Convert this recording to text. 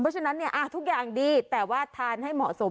เพราะฉะนั้นทุกอย่างดีแต่ว่าทานให้เหมาะสม